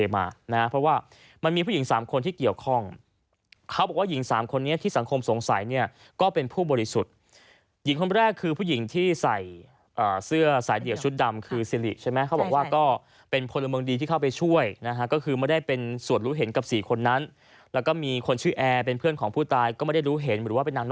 มานะเพราะว่ามันมีผู้หญิงสามคนที่เกี่ยวข้องเขาบอกว่าหญิงสามคนนี้ที่สังคมสงสัยเนี่ยก็เป็นผู้บริสุทธิ์หญิงคนแรกคือผู้หญิงที่ใส่เสื้อสายเดี่ยวชุดดำคือสิริใช่ไหมเขาบอกว่าก็เป็นพลเมืองดีที่เข้าไปช่วยนะฮะก็คือไม่ได้เป็นส่วนรู้เห็นกับสี่คนนั้นแล้วก็มีคนชื่อแอร์เป็นเพื่อนของผู้ตายก็ไม่ได้รู้เห็นหรือว่าเป็นนาง